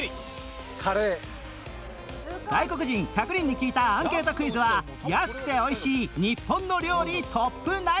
外国人１００人に聞いたアンケートクイズは安くて美味しい日本の料理トップ９